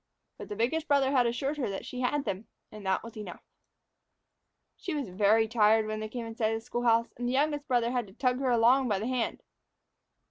But the biggest brother had assured her that she had them, and that was enough. She was very tired when they came in sight of the school house, and the youngest brother had to tug her along by the hand.